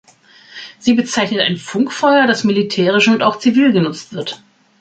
Sie bezeichnet ein Funkfeuer, das militärisch und auch zivil genutzt wird.